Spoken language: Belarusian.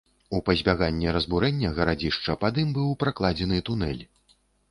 У пазбяганне разбурэння гарадзішча пад ім быў пракладзены тунэль.